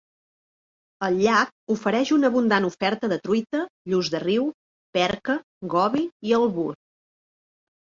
El llac ofereix una abundant oferta de truita, lluç de riu, perca, gobi i albur.